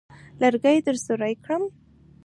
لرګي درسوري کړم.